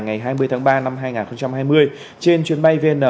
ngày hai mươi tháng ba năm hai nghìn hai mươi trên chuyến bay vn năm mươi bốn